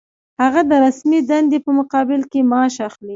هغه د رسمي دندې په مقابل کې معاش اخلي.